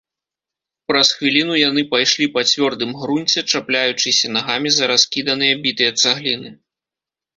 Праз хвіліну яны пайшлі па цвёрдым грунце, чапляючыся нагамі за раскіданыя бітыя цагліны.